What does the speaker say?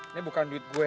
ini bukan duit gue